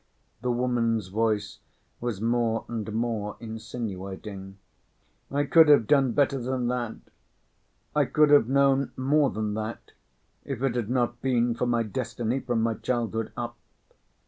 The woman's voice was more and more insinuating. "I could have done better than that. I could have known more than that, if it had not been for my destiny from my childhood up.